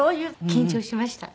緊張しました。